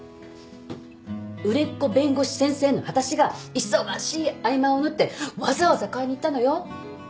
売れっ子弁護士先生の私が忙しい合間を縫ってわざわざ買いに行ったのよ？